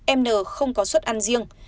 em n không có suất ăn riêng